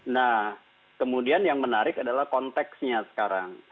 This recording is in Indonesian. nah kemudian yang menarik adalah konteksnya sekarang